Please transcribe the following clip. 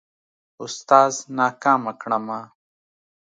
اوستاذ ناکامه کړمه.